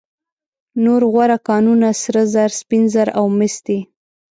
نور غوره کانونه سره زر، سپین زر او مس دي.